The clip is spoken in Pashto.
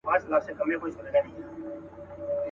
مګر سوځي یو د بل کلي کورونه.